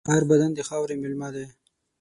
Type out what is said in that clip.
هر بدن د خاورې مېلمه دی.